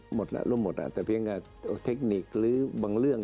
หมดแล้วร่วมหมดอ่ะแต่เพียงเทคนิคหรือบางเรื่อง